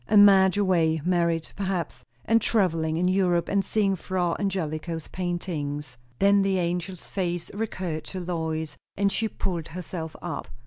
And Madge away; married, perhaps, and travelling in Europe, and seeing Fra Angelico's paintings. Then the angel's face recurred to Lois, and she pulled herself up.